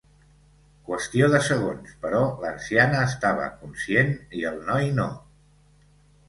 Qüestió de segons, però l'anciana estava conscient i el noi no.